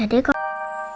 jatuh cinta cuci muka